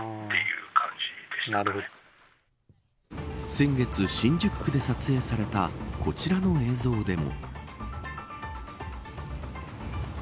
先月、新宿区で撮影されたこちらの映像でも。